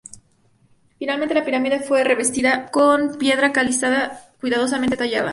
Finalmente, la pirámide fue revestida con piedra caliza cuidadosamente tallada.